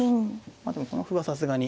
まあでもこの歩はさすがに。